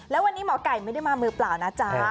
แล้ววันนี้หมอไก่ไม่ได้มามือเปล่านะจ๊ะ